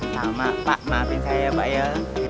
sama pak maafin saya ya pak ya